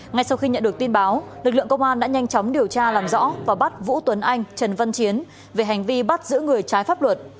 ngay sau khi nhận được tin báo lực lượng công an đã nhanh chóng điều tra làm rõ và bắt vũ tuấn anh trần văn chiến về hành vi bắt giữ người trái pháp luật